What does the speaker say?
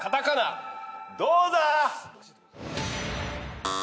どうだ！